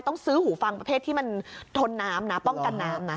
ต้องซื้อหูฟังประเภทที่มันทนน้ำนะป้องกันน้ำนะ